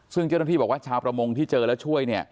ซึ่งเจ้าหน้าที่บอกว่าชาวประมงที่เจอแล้วช่วยเนี่ย